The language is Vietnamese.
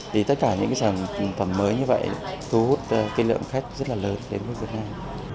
thì tất cả những sản phẩm mới như vậy thu hút cái lượng khách rất là lớn đến với việt nam